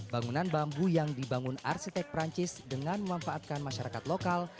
bangunan bambu yang dibangun arsitek perancis dengan memanfaatkan masyarakat lokal